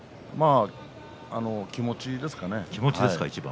気持ちですかね。